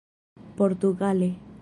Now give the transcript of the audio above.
portugale